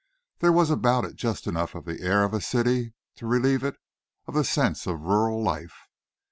There was about it just enough of the air of a city to relieve it of the sense of rural life.